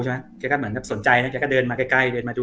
ใช่ไหมแกก็เหมือนแบบสนใจน่ะแกก็เดินมาใกล้ใกล้เดินมาดู